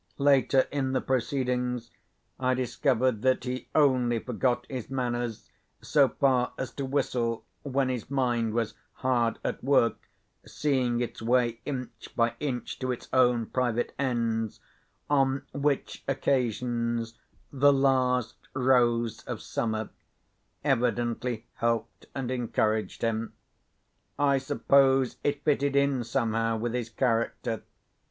Later in the proceedings, I discovered that he only forgot his manners so far as to whistle, when his mind was hard at work, seeing its way inch by inch to its own private ends, on which occasions "The Last Rose of Summer" evidently helped and encouraged him. I suppose it fitted in somehow with his character.